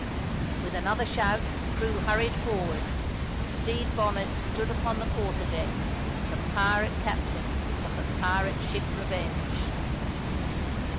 With another shout the crew hurried forward, and Stede Bonnet stood upon the quarter deck, the pirate captain of the pirate ship Revenge.